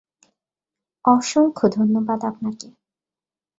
অসংখ্য ধন্যবাদ আপনাকে।